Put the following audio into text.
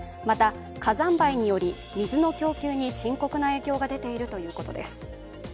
また、火山灰により水の供給に深刻な影響が出ているということです。